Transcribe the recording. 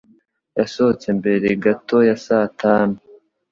Yasohotse mbere gato ya saa tanu.